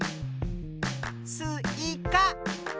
スイカ。